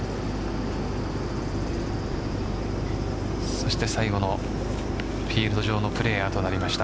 そして最後のフィールド上のプレーヤーとなりました。